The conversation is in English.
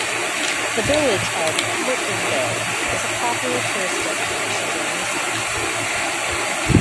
The village of Put-in-Bay is a popular tourist destination during the summer.